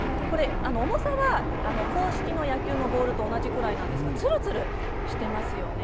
重さは公式の野球のボールと同じぐらいなんですがつるつるしていますよね。